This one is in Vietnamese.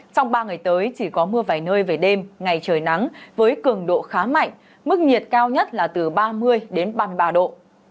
trong ba ngày tới chỉ có mưa vài nơi về đêm ngày trời nắng với cường độ khá mạnh mức nhiệt cao nhất là từ ba mươi đến ba mươi ba độ